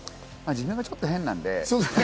自分がちょっと変なので。